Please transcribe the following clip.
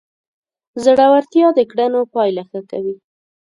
زړورتیا د کړنو پایله ښه کوي.